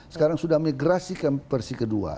sekarang sudah migrasikan versi kedua